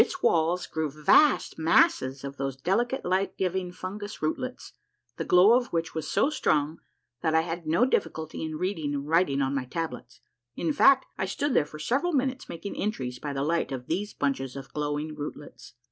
A MARVELLOUS UNDERGROUND JOURNEY 233 walls grew vast masses of those delicate light giving fungous rootlets, the glow of which was so strong that I had no difficulty in reading the writing on my tablets ; in fact, I stood there for several minutes making entries by the light of these bunches of glowing rootlets.